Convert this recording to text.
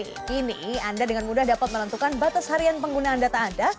kini anda dengan mudah dapat menentukan batas harian penggunaan data anda